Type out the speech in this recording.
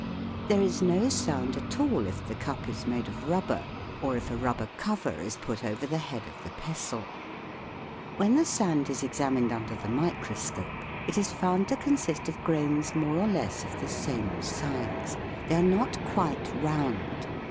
There is no sound at all if the cup is made of rubber, or if a rubber cover is put over the head of the pestle. When the sand is examined under the microscope it is found to consist of grains more or less of the same size : they are not quite round.